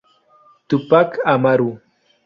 Tupac Amaru.